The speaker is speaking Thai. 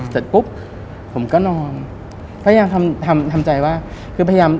เสร็จปุ๊บผมก็นอนพยายามทำทำใจว่าคือพยายาม